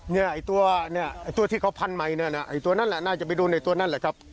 เขญมันไปดูนตัวที่เขาพันธุ์ใหม่น่าจะไปดูนตัวนั้นคาร์ด